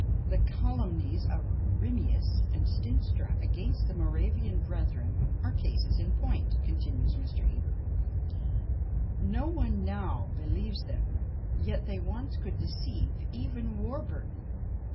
"The calumnies of Rimius and Stinstra against the Moravian brethren are cases in point," continues Mr. Heber. "No one now believes them, yet they once could deceive even Warburton!"